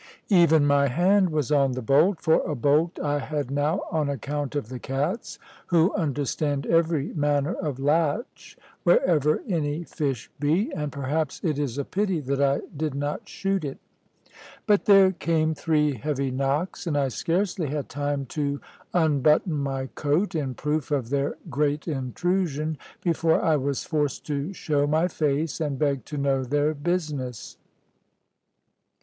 Even my hand was on the bolt for a bolt I had now on account of the cats, who understand every manner of latch, wherever any fish be and perhaps it is a pity that I did not shoot it. But there came three heavy knocks; and I scarcely had time to unbutton my coat, in proof of their great intrusion, before I was forced to show my face, and beg to know their business.